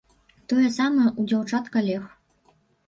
Тое самае ў дзяўчат-калег.